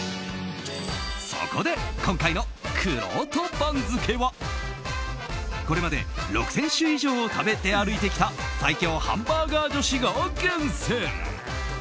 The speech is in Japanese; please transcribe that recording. そこで、今回のくろうと番付はこれまで６０００種以上を食べて歩いてきた最強ハンバーガー女子が厳選。